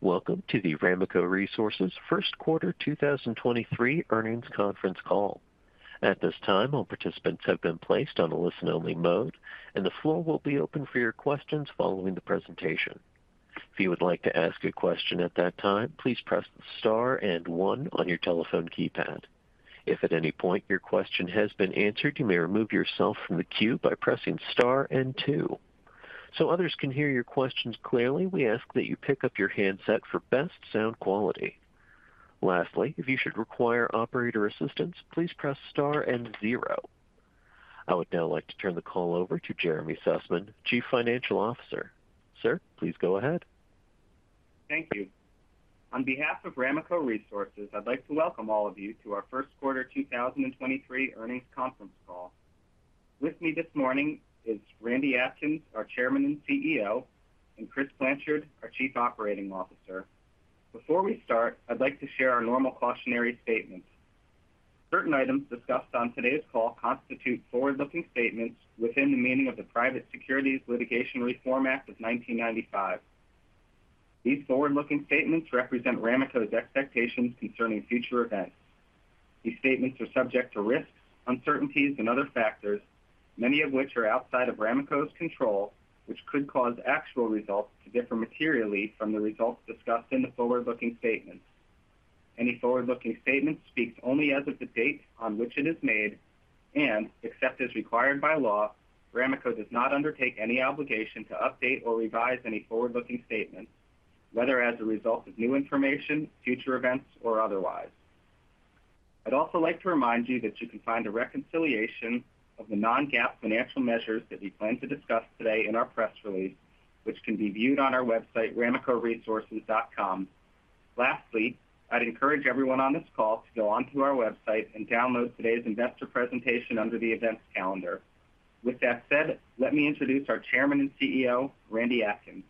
Welcome to the Ramaco Resources 1st quarter 2023 earnings conference call. At this time, all participants have been placed on a listen-only mode. The floor will be open for your questions following the presentation. If you would like to ask a question at that time, please press Star one on your telephone keypad. If at any point your question has been answered, you may remove yourself from the queue by pressing Star two. Others can hear your questions clearly, we ask that you pick up your handset for best sound quality. Lastly, if you should require operator assistance, please press Star 0. I would now like to turn the call over to Jeremy Sussman, Chief Financial Officer. Sir, please go ahead. Thank you. On behalf of Ramaco Resources, I'd like to welcome all of you to our first quarter 2023 earnings conference call. With me this morning is Randy Atkins, our Chairman and CEO, and Chris Blanchard, our Chief Operating Officer. Before we start, I'd like to share our normal cautionary statement. Certain items discussed on today's call constitute forward-looking statements within the meaning of the Private Securities Litigation Reform Act of 1995. These forward-looking statements represent Ramaco's expectations concerning future events. These statements are subject to risks, uncertainties and other factors, many of which are outside of Ramaco's control, which could cause actual results to differ materially from the results discussed in the forward-looking statements. Any forward-looking statement speaks only as of the date on which it is made, and except as required by law, Ramaco does not undertake any obligation to update or revise any forward-looking statement, whether as a result of new information, future events, or otherwise. I'd also like to remind you that you can find a reconciliation of the non-GAAP financial measures that we plan to discuss today in our press release, which can be viewed on our website, ramacoresources.com. Lastly, I'd encourage everyone on this call to go onto our website and download today's investor presentation under the events calendar. With that said, let me introduce our Chairman and CEO, Randy Atkins.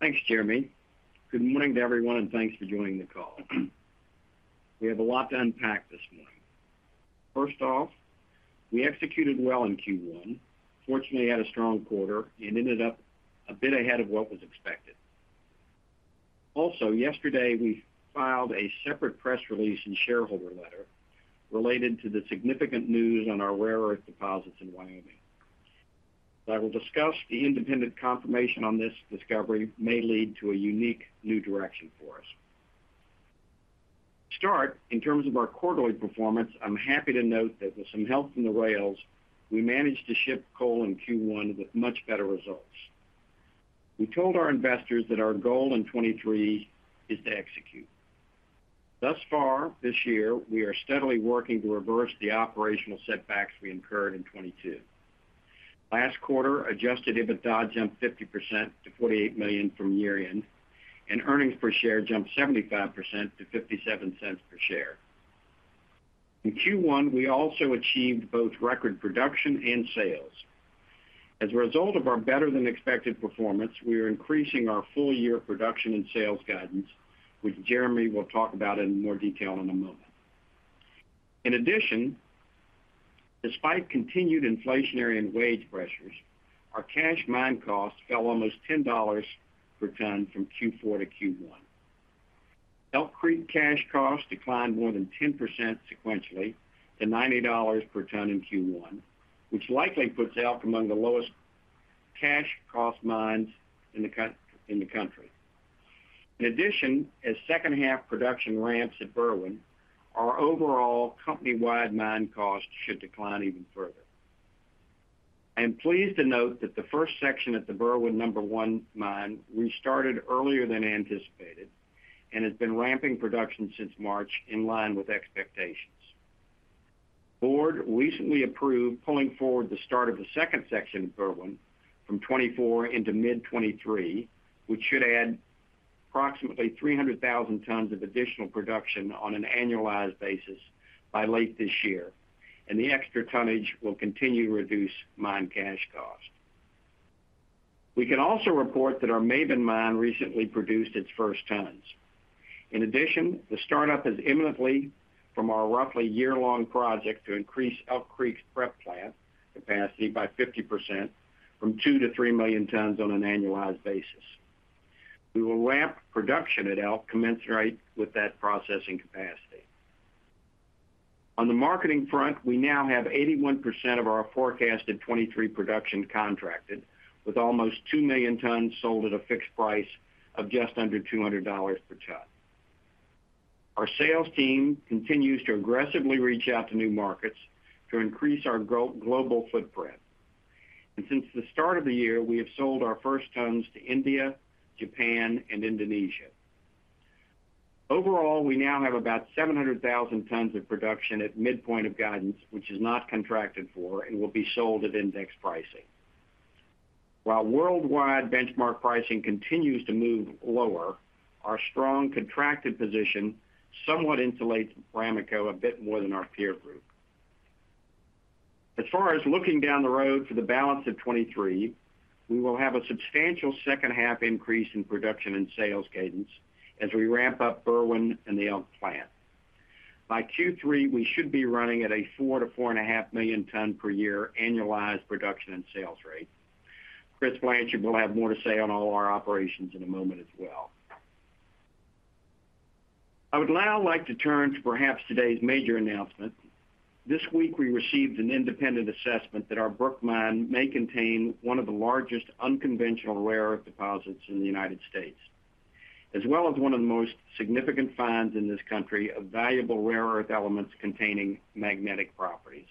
Thanks, Jeremy. Good morning to everyone, thanks for joining the call. We have a lot to unpack this morning. First off, we executed well in Q1, fortunately had a strong quarter and ended up a bit ahead of what was expected. Yesterday, we filed a separate press release and shareholder letter related to the significant news on our Rare Earth deposits in Wyoming. I will discuss the independent confirmation on this discovery may lead to a unique new direction for us. To start, in terms of our quarterly performance, I'm happy to note that with some help from the rails, we managed to ship coal in Q1 with much better results. We told our investors that our goal in 2023 is to execute. Thus far this year, we are steadily working to reverse the operational setbacks we incurred in 2022. Last quarter, adjusted EBITDA jumped 50% to $48 million from year-end. Earnings per share jumped 75% to $0.57 per share. In Q1, we also achieved both record production and sales. As a result of our better than expected performance, we are increasing our full-year production and sales guidance, which Jeremy will talk about in more detail in a moment. In addition, despite continued inflationary and wage pressures, our cash mine costs fell almost $10 per ton from Q4 to Q1. Elk Creek cash costs declined more than 10% sequentially to $90 per ton in Q1, which likely puts Elk among the lowest cash cost mines in the country. In addition, as second half production ramps at Berwind, our overall company-wide mine cost should decline even further. I am pleased to note that the first section at the Berwind Number One mine restarted earlier than anticipated and has been ramping production since March in line with expectations. The board recently approved pulling forward the start of the second section of Berwind from 2024 into mid-2023, which should add approximately 300,000 tons of additional production on an annualized basis by late this year. The extra tonnage will continue to reduce mine cash cost. We can also report that our Maven mine recently produced its first tons. The startup is imminently from our roughly year-long project to increase Elk Creek's prep plant capacity by 50% from 2 million-3 million tons on an annualized basis. We will ramp production at Elk commensurate with that processing capacity. On the marketing front, we now have 81% of our forecasted 2023 production contracted, with almost 2 million tons sold at a fixed price of just under $200 per ton. Our sales team continues to aggressively reach out to new markets to increase our global footprint. Since the start of the year, we have sold our first tons to India, Japan, and Indonesia. Overall, we now have about 700,000 tons of production at midpoint of guidance, which is not contracted for and will be sold at index pricing. While worldwide benchmark pricing continues to move lower, our strong contracted position somewhat insulates Ramaco a bit more than our peer group. As far as looking down the road for the balance of 2023, we will have a substantial second half increase in production and sales guidance as we ramp up Berwind and the Elk plant. By Q3, we should be running at a 4 million- 4.5 million ton per year annualized production and sales rate. Chris Blanchard will have more to say on all our operations in a moment as well. I would now like to turn to perhaps today's major announcement. This week we received an independent assessment that our Brook Mine may contain one of the largest unconventional rare earth deposits in the United States, as well as one of the most significant finds in this country of valuable Rare Earth Elements containing magnetic properties.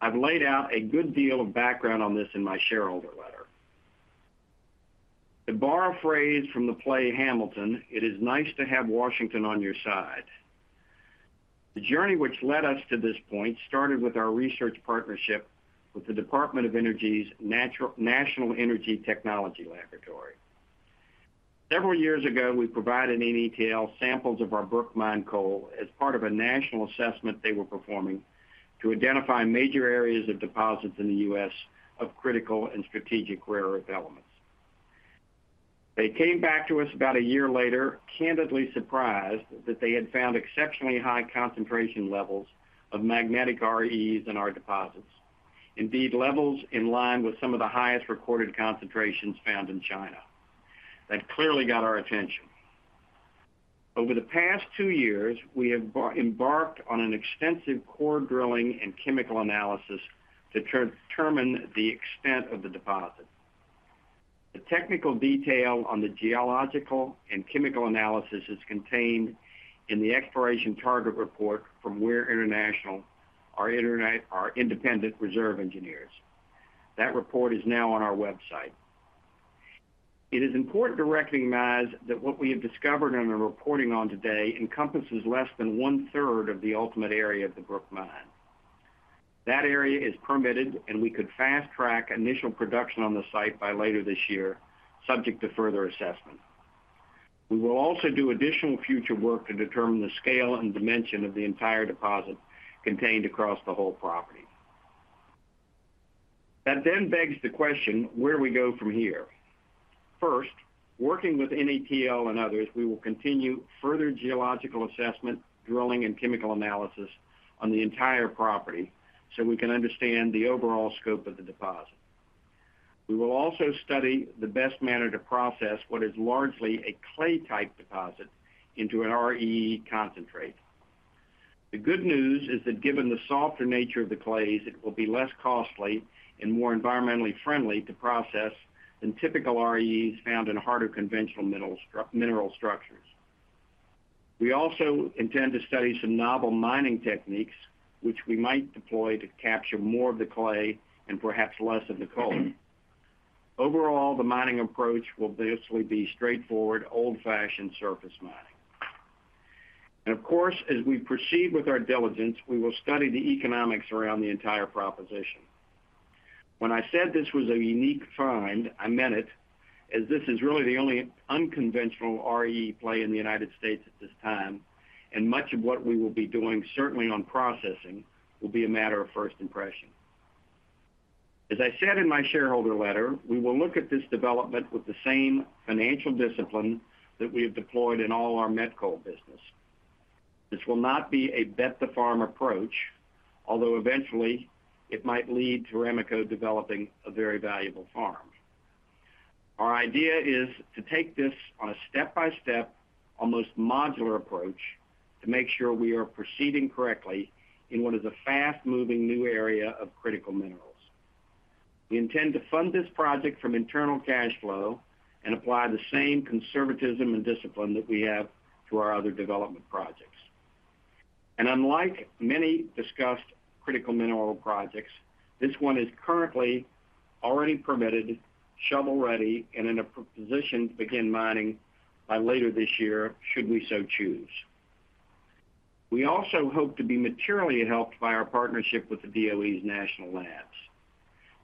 I've laid out a good deal of background on this in my shareholder letter. To borrow a phrase from the play Hamilton, it is nice to have Washington on your side. The journey which led us to this point started with our research partnership with the Department of Energy's National Energy Technology Laboratory. Several years ago, we provided NETL samples of our Brook Mine coal as part of a national assessment they were performing to identify major areas of deposits in the U.S. of critical and strategic rare earth elements. They came back to us about one year later, candidly surprised that they had found exceptionally high concentration levels of magnetic REEs in our deposits. Indeed, levels in line with some of the highest recorded concentrations found in China. That clearly got our attention. Over the past two years, we have embarked on an extensive core drilling and chemical analysis to determine the extent of the deposit. The technical detail on the geological and chemical analysis is contained in the exploration target report from Weir International, our independent reserve engineers. That report is now on our website. It is important to recognize that what we have discovered and are reporting on today encompasses less than one-third of the ultimate area of the Brook Mine. That area is permitted, and we could fast-track initial production on the site by later this year, subject to further assessment. We will also do additional future work to determine the scale and dimension of the entire deposit contained across the whole property. That then begs the question, where we go from here? First, working with NETL and others, we will continue further geological assessment, drilling, and chemical analysis on the entire property so we can understand the overall scope of the deposit. We will also study the best manner to process what is largely a clay-type deposit into an REE concentrate. The good news is that given the softer nature of the clays, it will be less costly and more environmentally friendly to process than typical REEs found in harder conventional middles mineral structures. We also intend to study some novel mining techniques which we might deploy to capture more of the clay and perhaps less of the coal. Overall, the mining approach will basically be straightforward, old-fashioned surface mining. Of course, as we proceed with our diligence, we will study the economics around the entire proposition. When I said this was a unique find, I meant it, as this is really the only unconventional REE play in the United States at this time, and much of what we will be doing, certainly on processing, will be a matter of first impression. As I said in my shareholder letter, we will look at this development with the same financial discipline that we have deployed in all our met coal business. This will not be a bet-the-farm approach, although eventually it might lead to Ramaco developing a very valuable farm. Our idea is to take this on a step-by-step, almost modular approach to make sure we are proceeding correctly in what is a fast-moving new area of critical minerals. We intend to fund this project from internal cash flow and apply the same conservatism and discipline that we have to our other development projects. Unlike many discussed critical mineral projects, this one is currently already permitted, shovel-ready, and in a position to begin mining by later this year, should we so choose. We also hope to be materially helped by our partnership with the DOE's National Labs.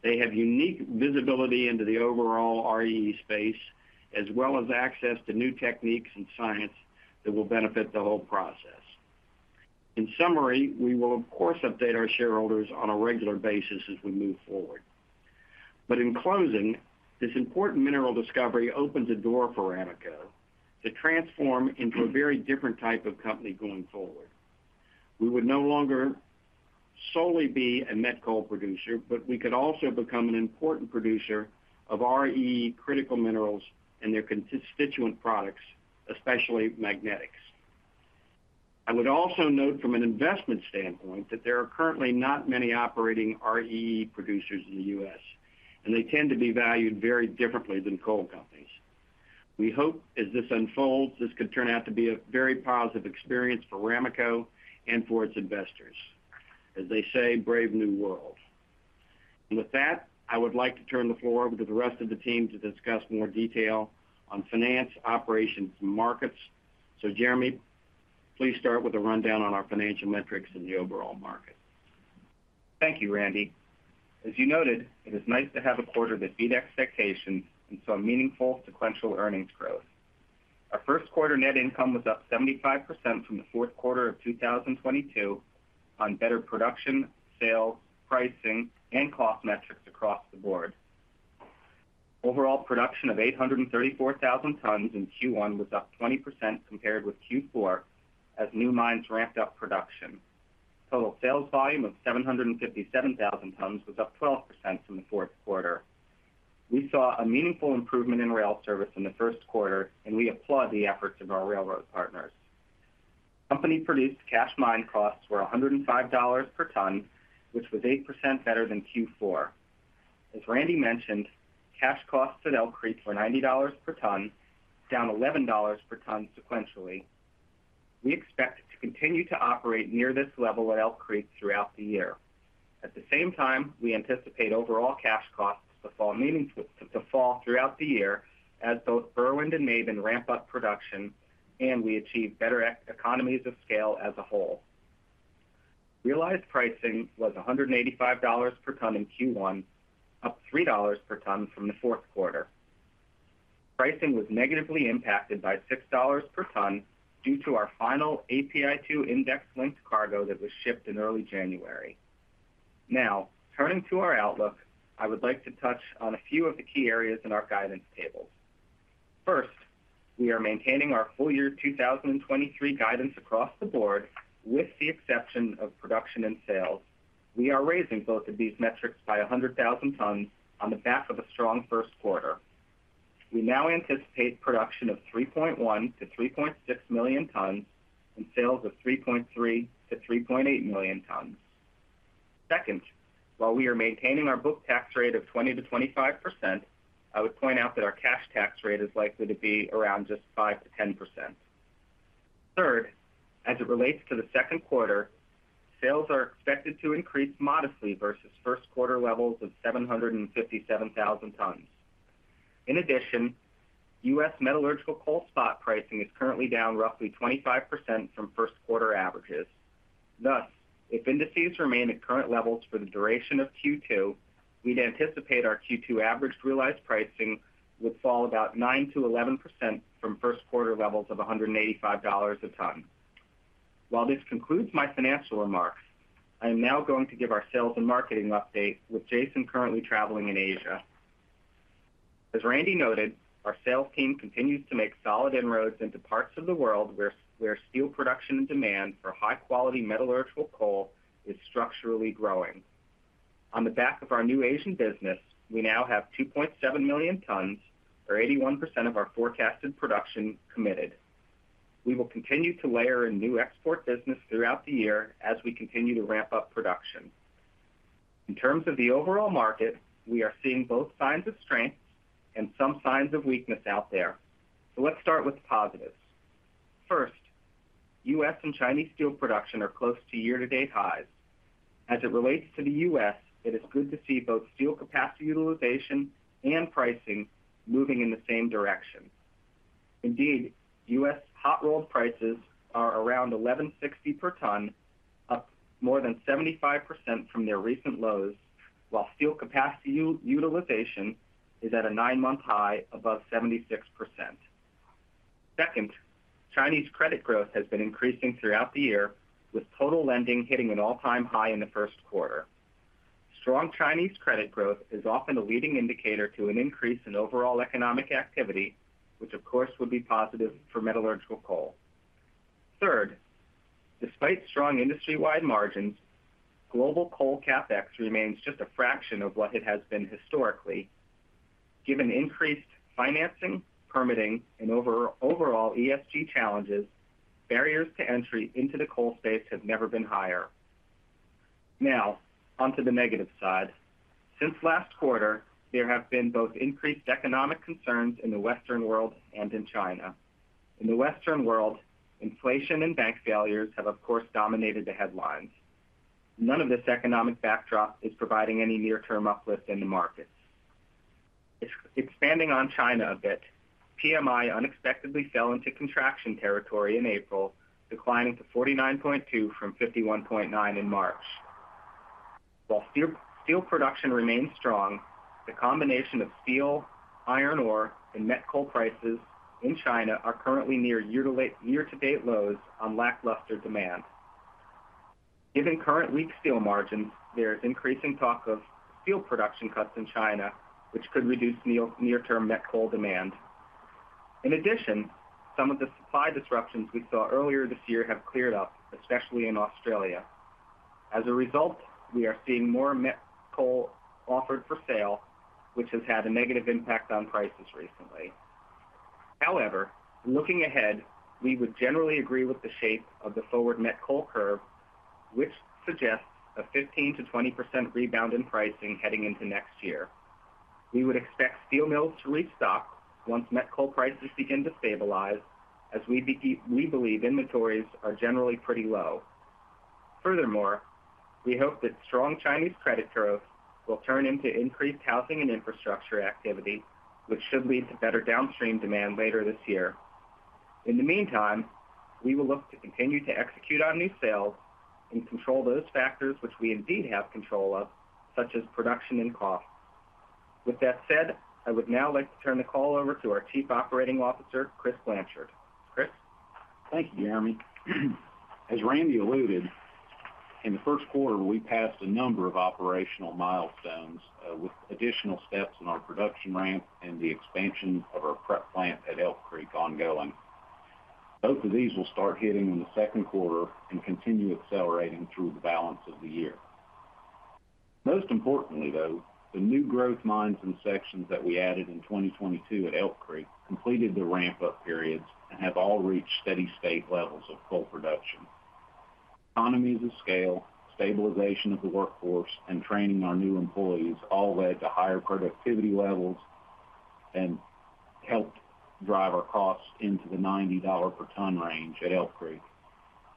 They have unique visibility into the overall REE space, as well as access to new techniques and science that will benefit the whole process. In summary, we will of course update our shareholders on a regular basis as we move forward. In closing, this important mineral discovery opens a door for Ramaco to transform into a very different type of company going forward. We would no longer solely be a met coal producer, but we could also become an important producer of REE critical minerals and their constituent products, especially magnetics. I would also note from an investment standpoint that there are currently not many operating REE producers in the U.S., and they tend to be valued very differently than coal companies. We hope as this unfolds, this could turn out to be a very positive experience for Ramaco and for its investors. As they say, brave new world. With that, I would like to turn the floor over to the rest of the team to discuss more detail on finance, operations, and markets. Jeremy, please start with a rundown on our financial metrics in the overall market. Thank you, Randy. As you noted, it is nice to have a quarter that beat expectations and saw meaningful sequential earnings growth. Our first quarter net income was up 75% from the fourth quarter of 2022 on better production, sales, pricing, and cost metrics across the board. Overall production of 834,000 tons in Q1 was up 20% compared with Q4 as new mines ramped up production. Total sales volume of 757,000 tons was up 12% from the fourth quarter. We saw a meaningful improvement in rail service in the first quarter, and we applaud the efforts of our railroad partners. Company-produced cash mine costs were $105 per ton, which was 8% better than Q4. As Randy mentioned, cash costs at Elk Creek were $90 per ton, down $11 per ton sequentially. We expect to continue to operate near this level at Elk Creek throughout the year. We anticipate overall cash costs to fall throughout the year as both Berwind and Maven ramp up production, we achieve better economies of scale as a whole. Realized pricing was $185 per ton in Q1, up $3 per ton from the fourth quarter. Pricing was negatively impacted by $6 per ton due to our final API2 index linked cargo that was shipped in early January. Turning to our outlook, I would like to touch on a few of the key areas in our guidance tables. We are maintaining our full year 2023 guidance across the board, with the exception of production and sales. We are raising both of these metrics by 100,000 tons on the back of a strong first quarter. We now anticipate production of 3.1 million-3.6 million tons and sales of 3.3 million-3.8 million tons. Second, while we are maintaining our book tax rate of 20%-25%, I would point out that our cash tax rate is likely to be around just 5%-10%. Third, as it relates to the second quarter, sales are expected to increase modestly versus first quarter levels of 757,000 tons. In addition, U.S. metallurgical coal spot pricing is currently down roughly 25% from first quarter averages. If indices remain at current levels for the duration of Q2, we'd anticipate our Q2 average realized pricing would fall about 9%-11% from first quarter levels of $185 a ton. While this concludes my financial remarks, I am now going to give our sales and marketing update with Jason currently traveling in Asia. As Randy noted, our sales team continues to make solid inroads into parts of the world where steel production and demand for high-quality metallurgical coal is structurally growing. On the back of our new Asian business, we now have 2.7 million tons, or 81% of our forecasted production committed. We will continue to layer in new export business throughout the year as we continue to ramp up production. In terms of the overall market, we are seeing both signs of strength and some signs of weakness out there. Let's start with the positives. First, U.S. and Chinese steel production are close to year-to-date highs. As it relates to the U.S., it is good to see both steel capacity utilization and pricing moving in the same direction. Indeed, U.S. hot rolled prices are around $1,160 per ton, up more than 75% from their recent lows, while steel capacity utilization is at a nine-month high above 76%. Second, Chinese credit growth has been increasing throughout the year, with total lending hitting an all-time high in the first quarter. Strong Chinese credit growth is often a leading indicator to an increase in overall economic activity, which of course would be positive for metallurgical coal. Despite strong industry-wide margins, global coal CapEx remains just a fraction of what it has been historically. Given increased financing, permitting, and overall ESG challenges, barriers to entry into the coal space have never been higher. Onto the negative side. Since last quarter, there have been both increased economic concerns in the Western world and in China. In the Western world, inflation and bank failures have, of course, dominated the headlines. None of this economic backdrop is providing any near-term uplift in the markets. Expanding on China a bit, PMI unexpectedly fell into contraction territory in April, declining to 49.2 from 51.9 in March. While steel production remains strong, the combination of steel, iron ore, and met coal prices in China are currently near year-to-date lows on lackluster demand. Given current weak steel margins, there is increasing talk of steel production cuts in China, which could reduce near-term met coal demand. In addition, some of the supply disruptions we saw earlier this year have cleared up, especially in Australia. As a result, we are seeing more met coal offered for sale, which has had a negative impact on prices recently. However, looking ahead, we would generally agree with the shape of the forward met coal curve, which suggests a 15%-20% rebound in pricing heading into next year. We would expect steel mills to restock once met coal prices begin to stabilize, as we believe inventories are generally pretty low. Furthermore, we hope that strong Chinese credit growth will turn into increased housing and infrastructure activity, which should lead to better downstream demand later this year. In the meantime, we will look to continue to execute on these sales and control those factors which we indeed have control of, such as production and cost. With that said, I would now like to turn the call over to our Chief Operating Officer, Chris Blanchard. Chris? Thank you, Jeremy. As Randy alluded, in the first quarter, we passed a number of operational milestones, with additional steps in our production ramp and the expansion of our prep plant at Elk Creek ongoing. Both of these will start hitting in the second quarter and continue accelerating through the balance of the year. Most importantly, though, the new growth mines and sections that we added in 2022 at Elk Creek completed the ramp-up periods and have all reached steady state levels of coal production. Economies of scale, stabilization of the workforce, and training our new employees all led to higher productivity levels and helped drive our costs into the $90 per ton range at Elk Creek,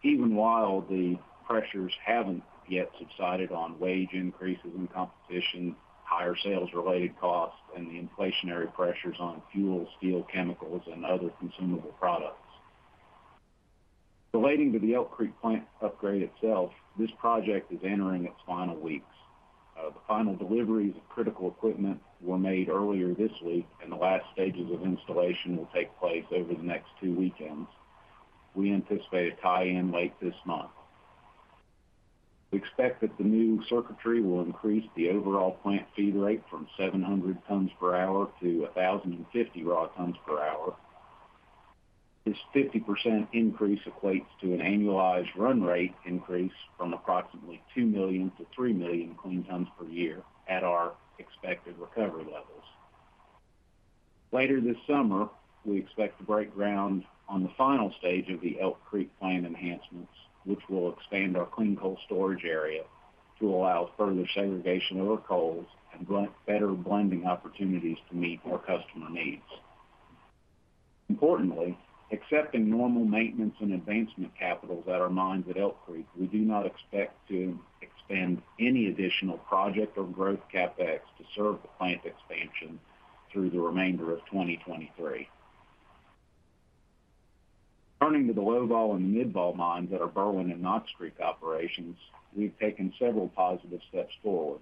even while the pressures haven't yet subsided on wage increases and competition, higher sales-related costs, and the inflationary pressures on fuel, steel, chemicals, and other consumable products. Relating to the Elk Creek plant upgrade itself, this project is entering its final weeks. The final deliveries of critical equipment were made earlier this week, and the last stages of installation will take place over the next two weekends. We anticipate a tie-in late this month. We expect that the new circuitry will increase the overall plant feed rate from 700 tons per hour to 1,050 raw tons per hour. This 50% increase equates to an annualized run rate increase from approximately 2 million-3 million clean tons per year at our expected recovery levels. Later this summer, we expect to break ground on the final stage of the Elk Creek plant enhancements, which will expand our clean coal storage area to allow further segregation of our coals and better blending opportunities to meet our customer needs. Importantly, except in normal maintenance and advancement capitals at our mines at Elk Creek, we do not expect to expand any additional project or growth CapEx to serve the plant expansion through the remainder of 2023. Turning to the low-vol and mid-vol mines at our Berwind and Knox Creek operations, we've taken several positive steps forward.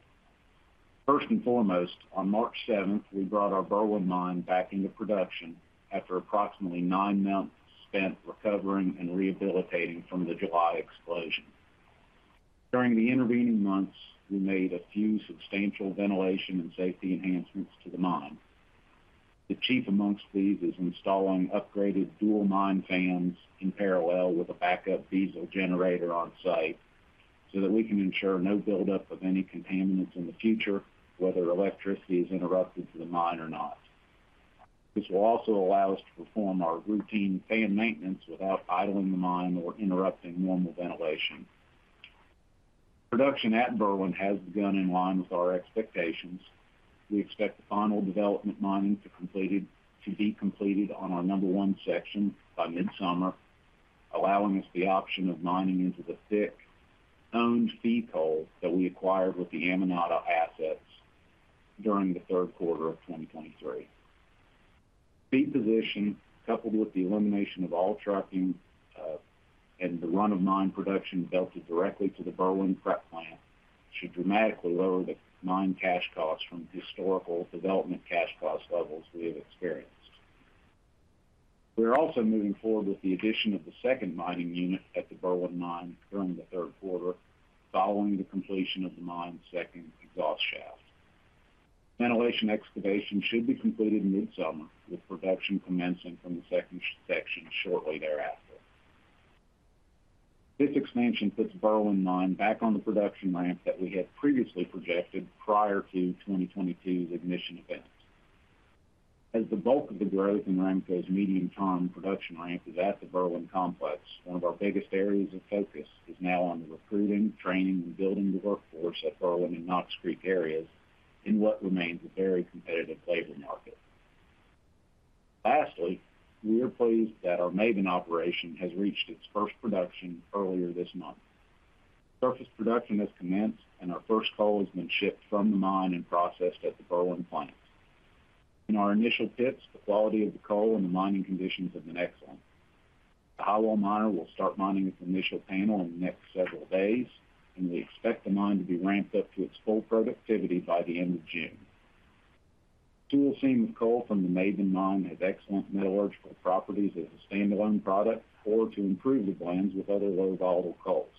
First and foremost, on March seventh, we brought our Berwind mine back into production after approximately nine months spent recovering and rehabilitating from the July explosion. During the intervening months, we made a few substantial ventilation and safety enhancements to the mine. The chief amongst these is installing upgraded dual mine fans in parallel with a backup diesel generator on site so that we can ensure no buildup of any contaminants in the future, whether electricity is interrupted to the mine or not. This will also allow us to perform our routine fan maintenance without idling the mine or interrupting normal ventilation. Production at Berwind has been in line with our expectations. We expect the final development mining to be completed on our number one section by midsummer, allowing us the option of mining into the thick, owned feed coal that we acquired with the Amonate assets during the third quarter of 2023. Feed position, coupled with the elimination of all trucking, and the run of mine production belted directly to the Berwind prep plant should dramatically lower the mine cash costs from historical development cash cost levels we have experienced. We are also moving forward with the addition of the second mining unit at the Berwind mine during the third quarter following the completion of the mine's second exhaust shaft. Ventilation excavation should be completed midsummer, with production commencing from the second section shortly thereafter. This expansion puts Berwind mine back on the production ramp that we had previously projected prior to 2022's ignition event. As the bulk of the growth in Ramaco's medium-term production ramp is at the Berwind complex, one of our biggest areas of focus is now on recruiting, training, and building the workforce at Berwind and Knox Creek areas in what remains a very competitive labor market. We are pleased that our Maven operation has reached its first production earlier this month. Surface production has commenced, and our first coal has been shipped from the mine and processed at the Berwind plant. In our initial pits, the quality of the coal and the mining conditions have been excellent. The highwall miner will start mining its initial panel in the next several days, and we expect the mine to be ramped up to its full productivity by the end of June. Dual seam of coal from the Maven mine has excellent metallurgical properties as a standalone product or to improve the blends with other low-volatile coals.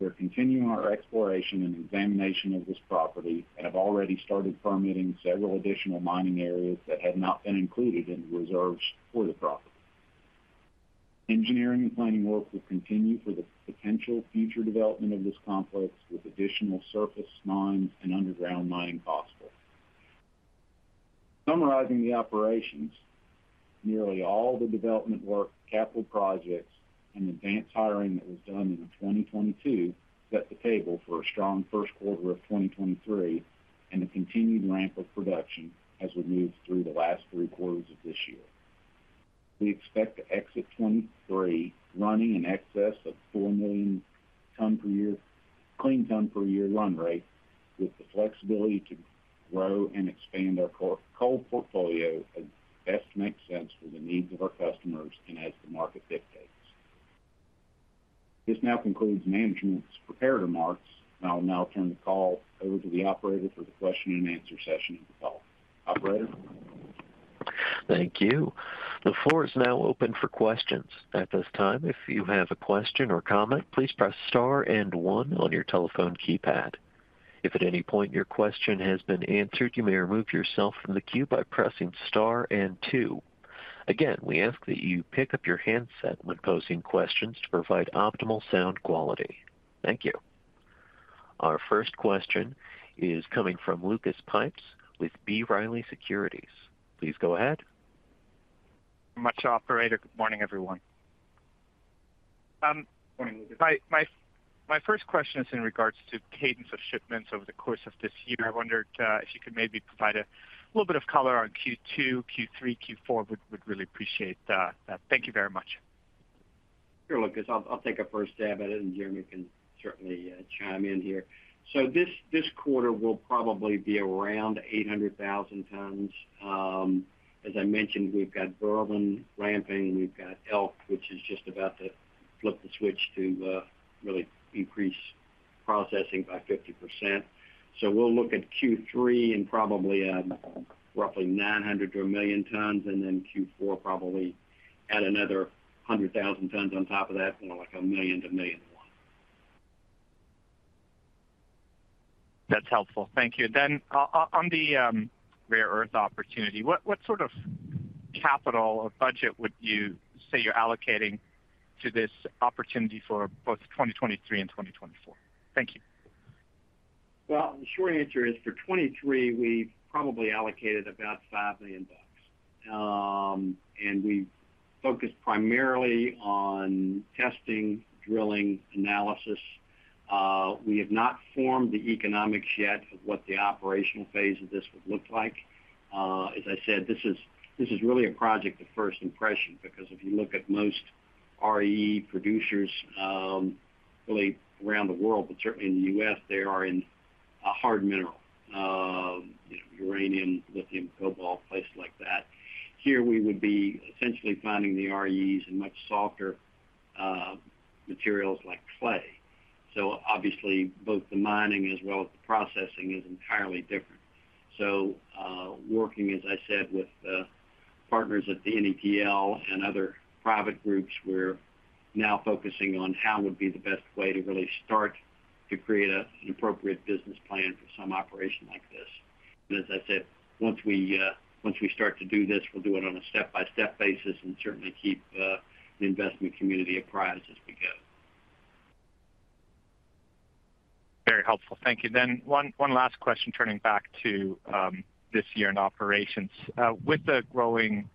We are continuing our exploration and examination of this property and have already started permitting several additional mining areas that have not been included in the reserves for the property. Engineering and planning work will continue for the potential future development of this complex, with additional surface mines and underground mining possible. Summarizing the operations, nearly all the development work, capital projects, and advance hiring that was done in 2022 set the table for a strong first quarter of 2023 and a continued ramp of production as we move through the last three quarters of this year. We expect to exit 2023 running in excess of 4 million ton per year clean ton per year run rate with the flexibility to grow and expand our coal portfolio as best makes sense for the needs of our customers and as the market dictates. This now concludes management's prepared remarks. I will now turn the call over to the operator for the question-and-answer session of the call. Operator? Thank you. The floor is now open for questions. At this time, if you have a question or comment, please press star and one on your telephone keypad. If at any point your question has been answered, you may remove yourself from the queue by pressing star and two. Again, we ask that you pick up your handset when posing questions to provide optimal sound quality. Thank you. Our first question is coming from Lucas Pipes with B. Riley Securities. Please go ahead. Much operator. Good morning, everyone. Morning, Lucas. My first question is in regards to cadence of shipments over the course of this year. I wondered if you could maybe provide a little bit of color on Q2, Q3, Q4. Would really appreciate that. Thank you very much. Sure, Lucas. I'll take a first stab at it. Jeremy can certainly chime in here. This quarter will probably be around 800,000 tons. As I mentioned, we've got Berwind ramping. We've got Elk, which is just about to flip the switch to really increase processing by 50%. We'll look at Q3 and probably add roughly 900,000 to 1 million tons. Q4 probably add another 100,000 tons on top of that, you know, like 1 million-1.1 million. That's helpful. Thank you. On the Rare Earth opportunity, what sort of capital or budget would you say you're allocating to this opportunity for both 2023 and 2024? Thank you. The short answer is for 2023 we've probably allocated about $5 million. We've focused primarily on testing, drilling, analysis. We have not formed the economics yet of what the operational phase of this would look like. As I said, this is really a project of first impression because if you look at most REE producers, really around the world, but certainly in the US, they are in a hard mineral, you know, uranium, lithium, cobalt, places like that. Here we would be essentially finding the REEs in much softer materials like clay. Obviously both the mining as well as the processing is entirely different. Working, as I said, with partners at the NETL and other private groups, we're now focusing on how would be the best way to really start to create an appropriate business plan for some operation like this. As I said, once we start to do this, we'll do it on a step-by-step basis and certainly keep the investment community apprised as we go. Very helpful. Thank you. One last question, turning back to this year in operations. With the growing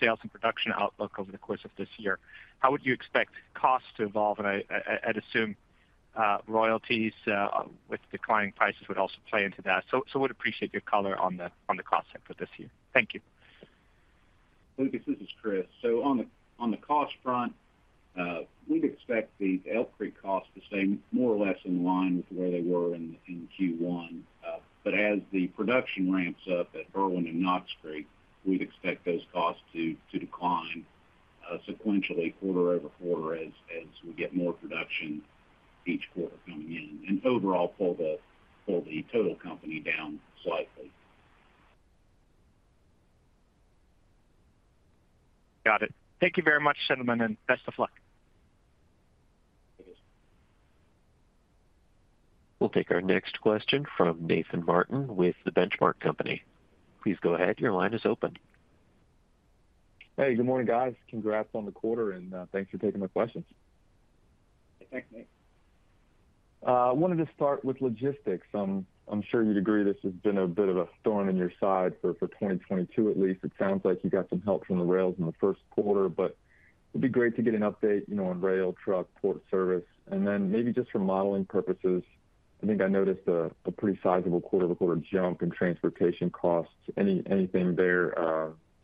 sales and production outlook over the course of this year, how would you expect costs to evolve? I'd assume royalties with declining prices would also play into that. Would appreciate your color on the cost set for this year. Thank you. Lucas, this is Chris. On the cost front, we'd expect the Elk Creek cost to stay more or less in line with where they were in Q1. As the production ramps up at Berwind and Knox Creek, we'd expect those costs to decline sequentially quarter-over-quarter as we get more production each quarter coming in, and overall pull the total company down slightly. Got it. Thank you very much, gentlemen, and best of luck. Thank you. We'll take our next question from Nathan Martin with The Benchmark Company. Please go ahead. Your line is open. Hey, good morning, guys. Congrats on the quarter and, thanks for taking my questions. Thanks, Nate. Wanted to start with logistics. I'm sure you'd agree this has been a bit of a thorn in your side for 2022 at least. It sounds like you got some help from the rails in the first quarter. It'd be great to get an update, you know, on rail, truck, port service. Maybe just for modeling purposes, I think I noticed a pretty sizable quarter-over-quarter jump in transportation costs. Anything there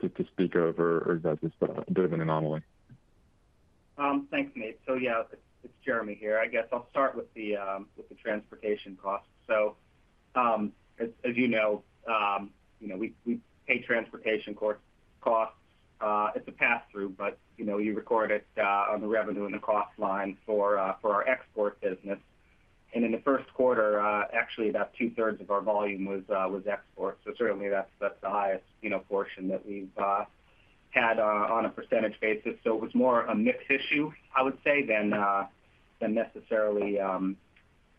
to speak of or is that just a bit of an anomaly? Thanks, Nate. Yeah, it's Jeremy here. I guess I'll start with the transportation costs. As you know, we pay transportation costs as a pass-through, but, you know, you record it on the revenue and the cost line for our export business. In the first quarter, actually about 2/3 of our volume was export. Certainly that's the highest, you know, portion that we've had on a percentage basis. It was more a mix issue, I would say, than necessarily, you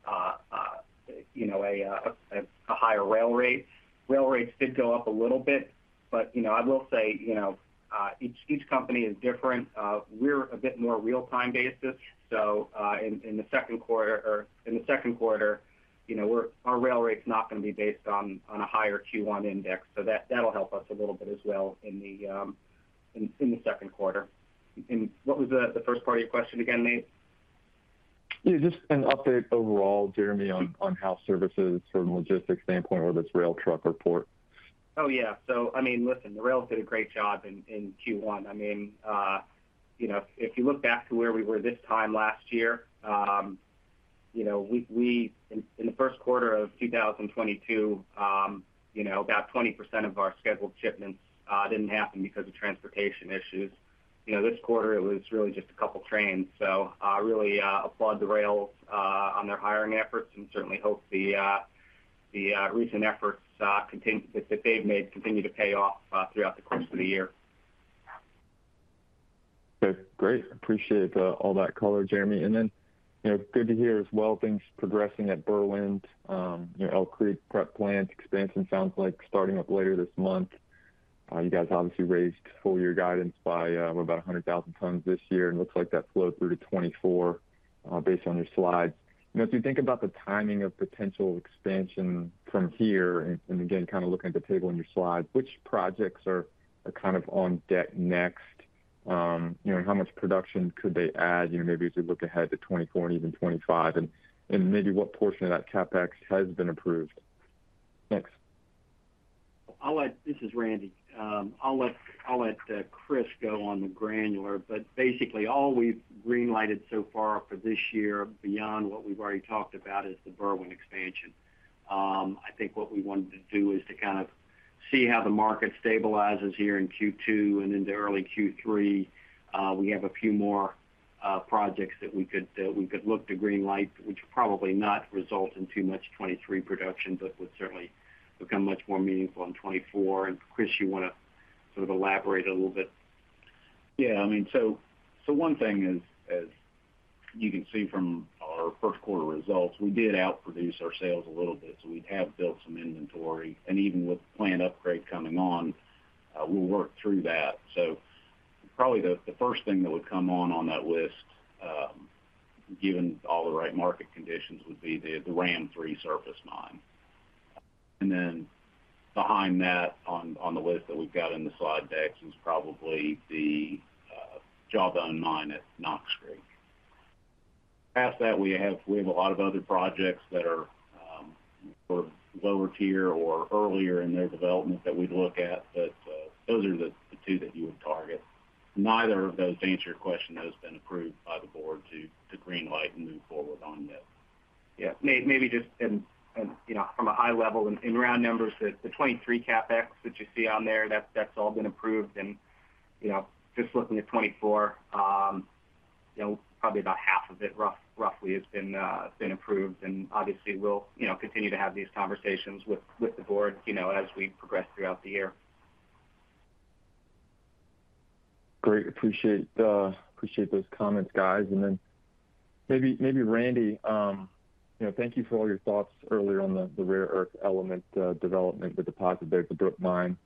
know, a higher rail rate. Rail rates did go up a little bit, but, you know, I will say, you know, each company is different. We're a bit more real-time basis. In the second quarter, you know, our rail rate's not gonna be based on a higher Q1 index. That'll help us a little bit as well in the second quarter. What was the first part of your question again, Nate? Yeah, just an update overall, Jeremy, on how services from a logistics standpoint, whether it's rail, truck or port. Oh, yeah. I mean, listen, the rails did a great job in Q1. I mean, you know, if you look back to where we were this time last year, you know, in the first quarter of 2022, you know, about 20% of our scheduled shipments didn't happen because of transportation issues. You know, this quarter it was really just a couple trains. Really, applaud the rails, on their hiring efforts, and certainly hope the, recent efforts that they've made continue to pay off, throughout the course of the year. Okay, great. Appreciate all that color, Jeremy. You know, good to hear as well things progressing at Berwind. You know, Elk Creek prep plant expansion sounds like starting up later this month. You guys obviously raised full year guidance by what? About 100,000 tons this year, and looks like that flowed through to 2024, based on your slides. You know, as you think about the timing of potential expansion from here, again, kind of looking at the table in your slides, which projects are kind of on deck next? You know, and how much production could they add, you know, maybe as we look ahead to 2024 and even 2025, and maybe what portion of that CapEx has been approved? Thanks. This is Randy. I'll let Chris go on the granular. Basically all we've green lighted so far for this year beyond what we've already talked about is the Berwind expansion. I think what we wanted to do is to kind of see how the market stabilizes here in Q2 and into early Q3. We have a few more projects that we could look to green light, which would probably not result in too much 2023 production, but would certainly become much more meaningful in 2024. Chris, you wanna sort of elaborate a little bit? Yeah, I mean, so one thing is, as you can see from our first quarter results, we did outproduce our sales a little bit, so we have built some inventory. Even with the plant upgrade coming on, we'll work through that. Probably the first thing that would come on that list, given all the right market conditions, would be the Ram III surface mine. Behind that on the list that we've got in the slide deck is probably the Jawbone mine at Knox Creek. Past that, we have a lot of other projects that are sort of lower tier or earlier in their development that we'd look at, those are the two that you would target. Neither of those, to answer your question, has been approved by the board to green light and move forward on yet. Yeah. maybe just, and you know, from a high level in round numbers, the 2023 CapEx that you see on there, that's all been approved. you know, just looking at 2024, you know, probably about half of it roughly has been approved. obviously we'll, you know, continue to have these conversations with the board, you know, as we progress throughout the year. Great. Appreciate the, appreciate those comments, guys. Maybe Randy Atkins, you know, thank you for all your thoughts earlier on the Rare Earth Element development, the deposit there at the Brook Mine.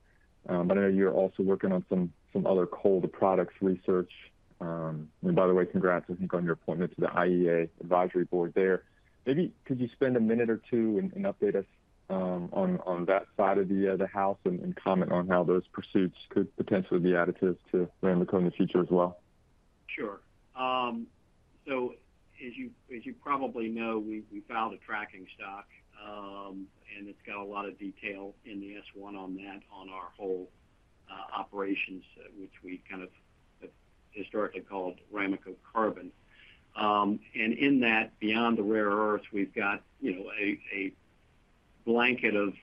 I know you're also working on some other coal-to-products research. By the way, congrats, I think, on your appointment to the IEA advisory board there. Maybe could you spend a minute or two and update us on that side of the house and comment on how those pursuits could potentially be additive to Ramaco in the future as well? Sure. As you probably know, we filed a tracking stock, and it's got a lot of detail in the S-1 on that on our whole operations, which we kind of historically called Ramaco Carbon. In that, beyond the rare earths, we've got, you know, a blanket of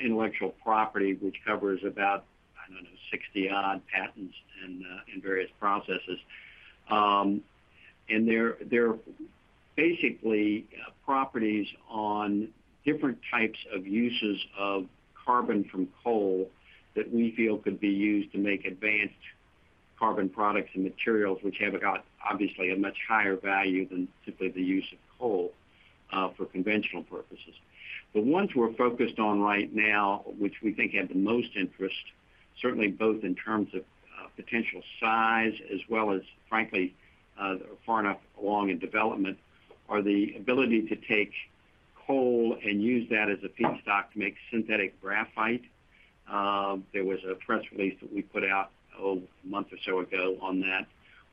intellectual property which covers about, I don't know, 60-odd patents in various processes. They're basically properties on different types of uses of carbon from coal that we feel could be used to make advanced carbon products and materials which have a got obviously a much higher value than simply the use of coal for conventional purposes. The ones we're focused on right now, which we think have the most interest, certainly both in terms of potential size as well as frankly, are far enough along in development, are the ability to take coal and use that as a feedstock to make synthetic graphite. There was a press release that we put out a month or so ago on that.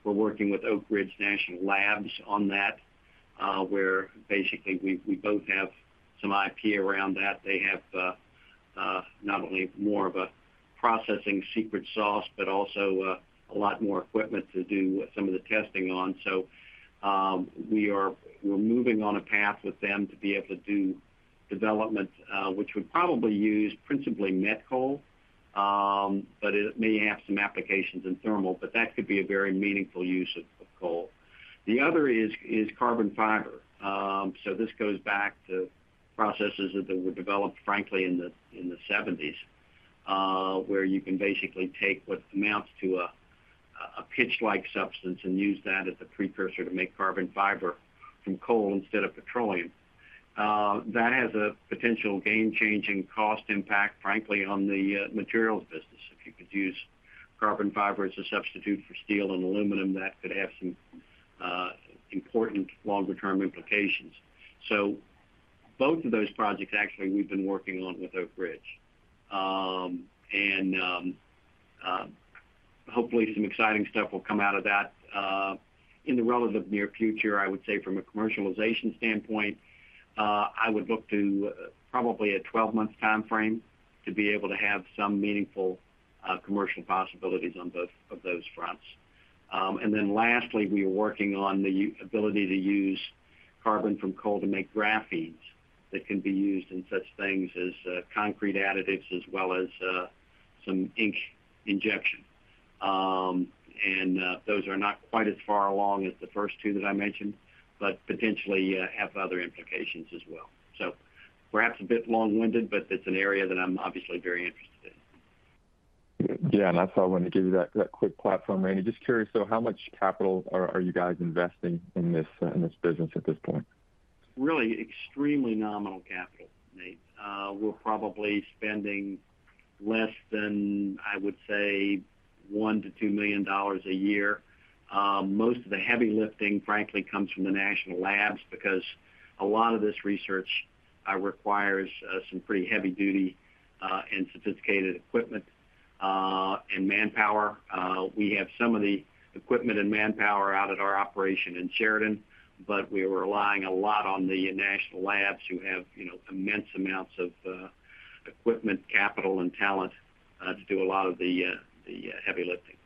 We're working with Oak Ridge National Labs on that, where basically we both have some IP around that. They have not only more of a processing secret sauce, but also a lot more equipment to do some of the testing on. We're moving on a path with them to be able to do development, which would probably use principally met coal, but it may have some applications in thermal, but that could be a very meaningful use of coal. The other is carbon fiber. This goes back to processes that were developed frankly in the 70s, where you can basically take what amounts to a pitch-like substance and use that as a precursor to make carbon fiber from coal instead of petroleum. That has a potential game-changing cost impact, frankly, on the materials business. If you could use carbon fiber as a substitute for steel and aluminum, that could have some important longer term implications. Both of those projects actually we've been working on with Oak Ridge. Hopefully some exciting stuff will come out of that in the relative near future. I would say from a commercialization standpoint, I would look to probably a 12-month timeframe to be able to have some meaningful commercial possibilities on both of those fronts. Lastly, we are working on the ability to use Carbon from coal to make graphenes that can be used in such things as concrete additives as well as some ink injection. Those are not quite as far along as the first two that I mentioned, but potentially have other implications as well. Perhaps a bit long-winded, but it's an area that I'm obviously very interested in. Yeah. That's why I wanted to give you that quick platform, Randy. Just curious though, how much capital are you guys investing in this in this business at this point? Really extremely nominal capital, Nate. We're probably spending less than, I would say, $1 million-$2 million a year. Most of the heavy lifting frankly comes from the National Labs because a lot of this research requires some pretty heavy duty and sophisticated equipment and manpower. We have some of the equipment and manpower out at our operation in Sheridan, but we're relying a lot on the National Labs who have, you know, immense amounts of equipment, capital, and talent to do a lot of the heavy lifting.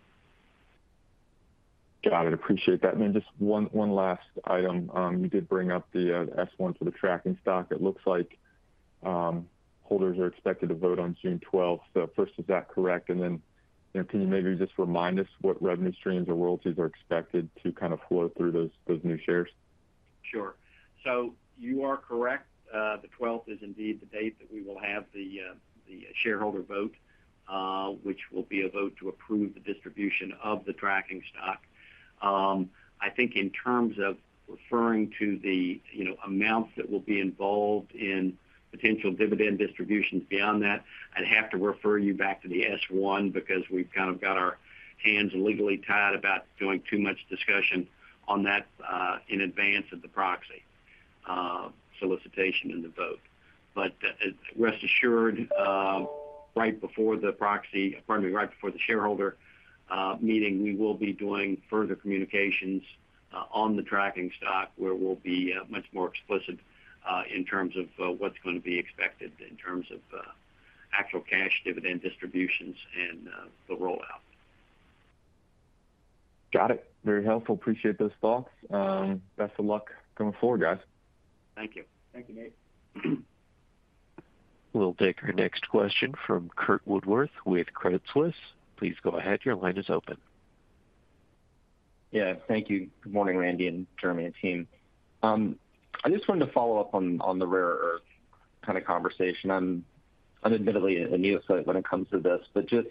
Got it. Appreciate that. Just one last item. You did bring up the S-1 for the tracking stock. It looks like holders are expected to vote on June twelfth. First, is that correct? You know, can you maybe just remind us what revenue streams or royalties are expected to kind of flow through those new shares? Sure. You are correct. The 12th is indeed the date that we will have the shareholder vote, which will be a vote to approve the distribution of the tracking stock. I think in terms of referring to the, you know, amounts that will be involved in potential dividend distributions beyond that, I'd have to refer you back to the S-1 because we've kind of got our hands legally tied about doing too much discussion on that, in advance of the proxy solicitation and the vote. Rest assured, pardon me, right before the shareholder meeting, we will be doing further communications on the tracking stock, where we'll be much more explicit in terms of what's gonna be expected in terms of actual cash dividend distributions and the rollout. Got it. Very helpful. Appreciate those thoughts. Best of luck going forward, guys. Thank you. Thank you, Nate. We'll take our next question from Curtis Woodworth with Credit Suisse. Please go ahead. Your line is open. Yeah, thank you. Good morning, Randy and Jeremy and team. I just wanted to follow up on the rare earth kind of conversation. I'm admittedly a neophyte when it comes to this, but just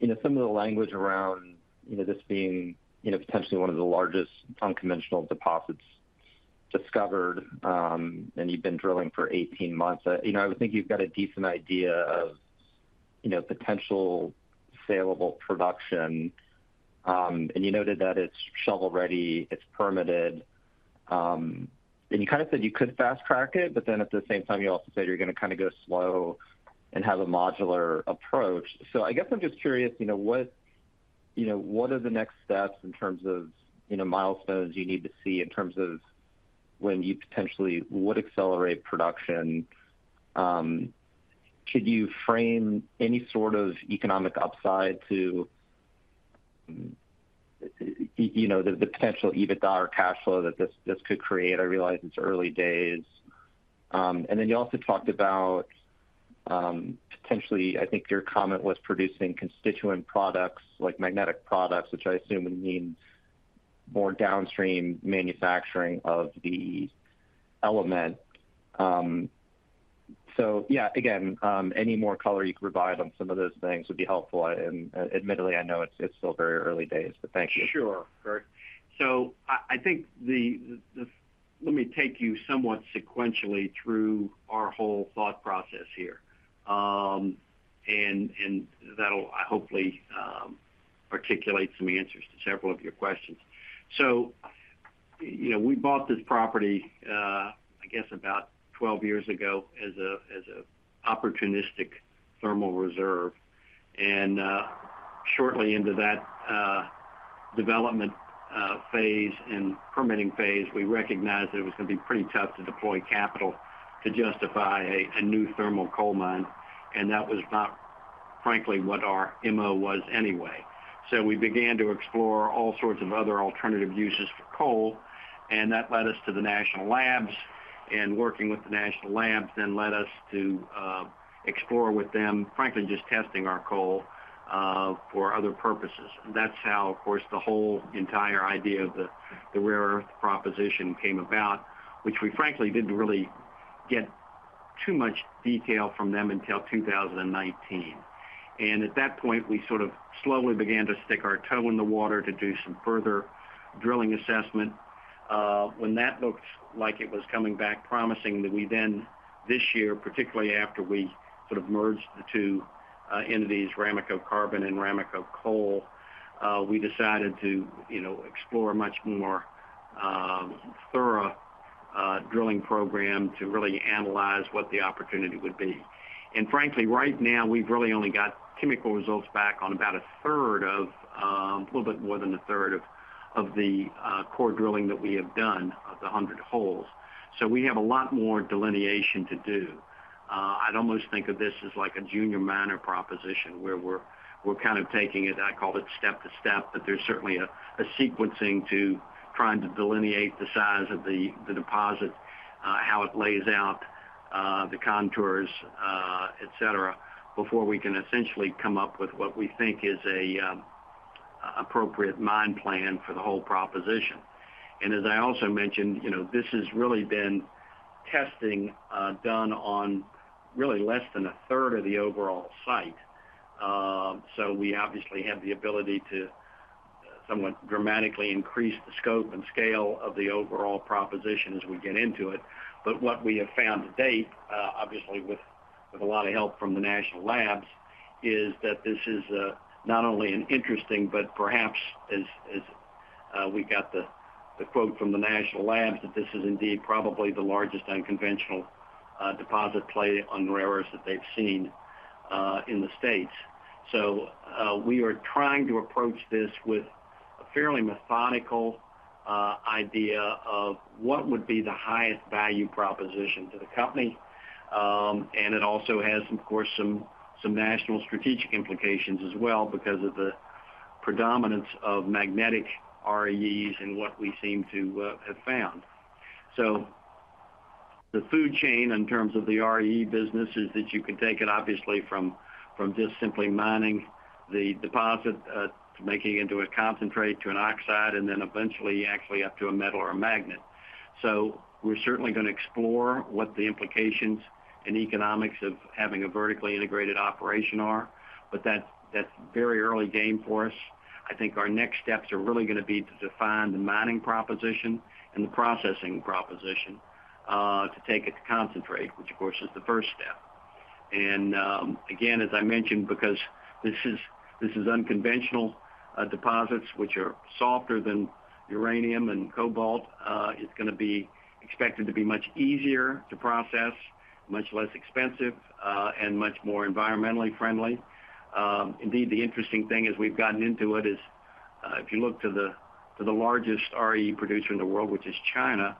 some of the language around this being potentially one of the largest unconventional deposits discovered, and you've been drilling for 18 months. I would think you've got a decent idea of potential saleable production. You noted that it's shovel-ready, it's permitted, and you kind of said you could fast-track it, but then at the same time, you also said you're gonna kind of go slow and have a modular approach. I guess I'm just curious, you know, what are the next steps in terms of, you know, milestones you need to see in terms of when you potentially would accelerate production? Could you frame any sort of economic upside to, you know, the potential EBITDA or cash flow that this could create? I realize it's early days. You also talked about potentially, I think your comment was producing constituent products like magnetic products, which I assume would mean more downstream manufacturing of the element. Again, any more color you could provide on some of those things would be helpful. Admittedly, I know it's still very early days, but thank you. Sure, Curt. I think Let me take you somewhat sequentially through our whole thought process here. That'll hopefully articulate some answers to several of your questions. You know, we bought this property, I guess about 12 years ago as a opportunistic thermal reserve. Shortly into that, development, phase and permitting phase, we recognized that it was gonna be pretty tough to deploy capital to justify a new thermal coal mine. That was not, frankly, what our MO was anyway. We began to explore all sorts of other alternative uses for coal, and that led us to the National Labs. Working with the National Labs then led us to explore with them, frankly, just testing our coal, for other purposes. That's how, of course, the whole entire idea of the rare earth proposition came about, which we frankly didn't really get too much detail from them until 2019. At that point, we sort of slowly began to stick our toe in the water to do some further drilling assessment. When that looked like it was coming back promising that we then this year, particularly after we sort of merged the two entities, Ramaco Carbon and Ramaco Coal, we decided to, you know, explore a much more thorough drilling program to really analyze what the opportunity would be. Frankly, right now we've really only got chemical results back on about a third of a little bit more than a third of the core drilling that we have done of the 100 holes. We have a lot more delineation to do. I'd almost think of this as like a junior miner proposition where we're kind of taking it, I call it step to step, but there's certainly a sequencing to trying to delineate the size of the deposit, how it lays out, the contours, et cetera, before we can essentially come up with what we think is an appropriate mine plan for the whole proposition. As I also mentioned, you know, this has really been testing done on really less than a third of the overall site. We obviously have the ability to somewhat dramatically increase the scope and scale of the overall proposition as we get into it. What we have found to date, obviously with a lot of help from the National Labs, is that this is not only an interesting but perhaps as we got the quote from the National Labs, that this is indeed probably the largest unconventional deposit play on rare earths that they've seen, in the States. We are trying to approach this with a fairly methodical idea of what would be the highest value proposition to the company. It also has, of course, some national strategic implications as well because of the predominance of magnetic REEs in what we seem to have found. The food chain in terms of the REE business is that you can take it obviously from just simply mining the deposit, to making it into a concentrate to an oxide and then eventually actually up to a metal or a magnet. We're certainly gonna explore what the implications and economics of having a vertically integrated operation are, but that's very early game for us. I think our next steps are really gonna be to define the mining proposition and the processing proposition, to take it to concentrate, which of course is the first step. Again, as I mentioned, because this is unconventional deposits which are softer than uranium and cobalt, it's gonna be expected to be much easier to process, much less expensive, and much more environmentally friendly. Indeed, the interesting thing as we've gotten into it is, if you look to the, to the largest REE producer in the world, which is China,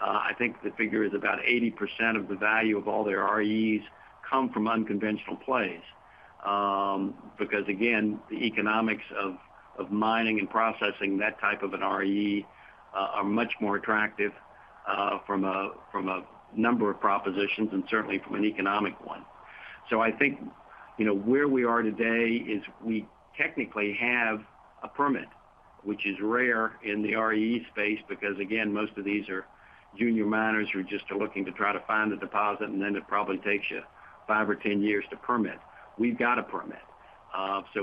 I think the figure is about 80% of the value of all their REEs come from unconventional plays. Because again, the economics of mining and processing that type of an REE, are much more attractive, from a, from a number of propositions and certainly from an economic one. I think, you know, where we are today is we technically have a permit, which is rare in the REE space because again, most of these are junior miners who just are looking to try to find a deposit, and then it probably takes you five or 10 years to permit. We've got a permit.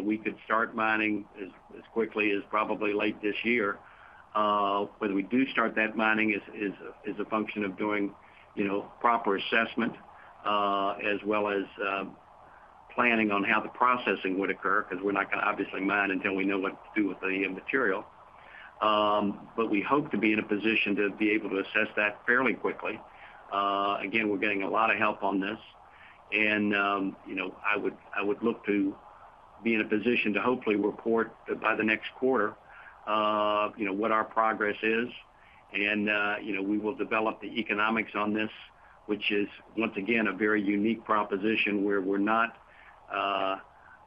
We could start mining as quickly as probably late this year. Whether we do start that mining is a function of doing, you know, proper assessment, as well as planning on how the processing would occur, 'cause we're not gonna obviously mine until we know what to do with the material. We hope to be in a position to be able to assess that fairly quickly. Again, we're getting a lot of help on this. You know, I would look to be in a position to hopefully report by the next quarter, you know, what our progress is. You know, we will develop the economics on this, which is once again a very unique proposition where we're not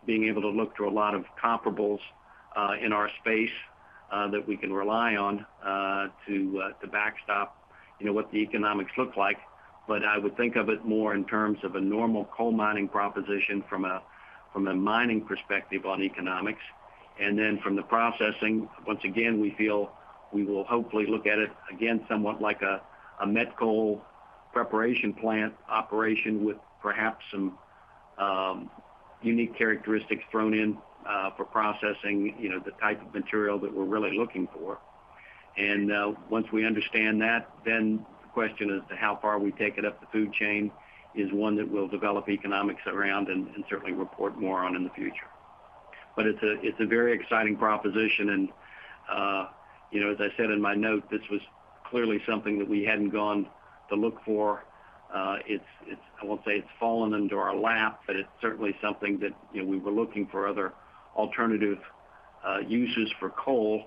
being able to look to a lot of comparables in our space that we can rely on to backstop, you know, what the economics look like. I would think of it more in terms of a normal coal mining proposition from a mining perspective on economics. Then from the processing, once again, we feel we will hopefully look at it again somewhat like a met coal preparation plant operation with perhaps some unique characteristics thrown in for processing, you know, the type of material that we're really looking for. Once we understand that, then the question as to how far we take it up the food chain is one that we'll develop economics around and certainly report more on in the future. It's a very exciting proposition and, you know, as I said in my note, this was clearly something that we hadn't gone to look for. I won't say it's fallen into our lap, but it's certainly something that, you know, we were looking for other alternative uses for coal,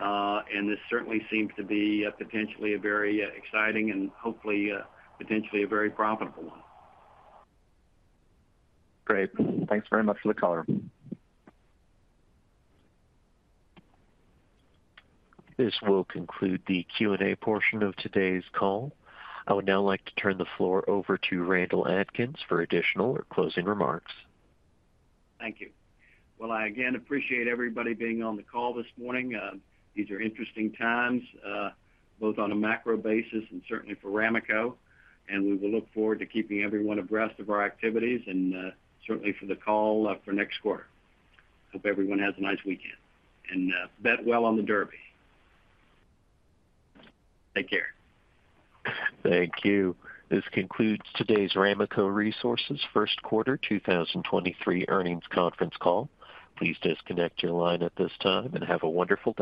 and this certainly seems to be potentially a very exciting and hopefully potentially a very profitable one. Great. Thanks very much for the color. This will conclude the Q&A portion of today's call. I would now like to turn the floor over to Randall Atkins for additional or closing remarks. Thank you. I again appreciate everybody being on the call this morning. These are interesting times, both on a macro basis and certainly for Ramaco, and we will look forward to keeping everyone abreast of our activities and, certainly for the call, for next quarter. Hope everyone has a nice weekend and, bet well on the Derby. Take care. Thank you. This concludes today's Ramaco Resources first quarter 2023 earnings conference call. Please disconnect your line at this time and have a wonderful day.